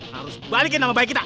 harus balikin nama baik kita